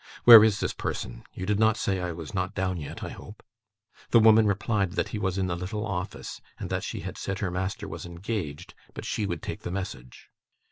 Where is this person? You did not say I was not down yet, I hope?' The woman replied that he was in the little office, and that she had said her master was engaged, but she would take the message.